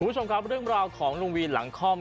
คุณผู้ชมครับเรื่องราวของลุงวีนหลังคล่อม